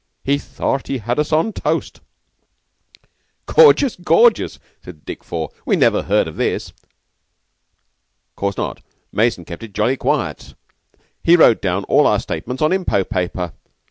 He thought he had us on toast." "Gorgeous! Gorgeous!" said Dick Four. "We never heard of this." "'Course not. Mason kept it jolly quiet. He wrote down all our statements on impot paper.